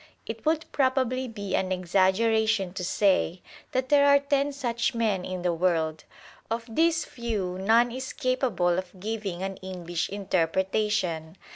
It would probably be an exaggeration to say that there are ten such men in the world. Of these few or none is capable of giving an English interpretation.